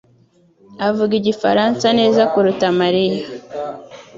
avuga igifaransa neza kuruta Mariya.